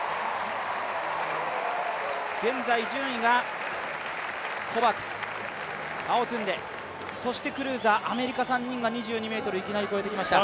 現在、順位が、コバクス、アウォトゥンデそしてクルーザー、アメリカ３人が２２ｍをいきなり越えてきました。